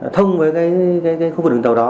thông với cái khu vực đường tàu đó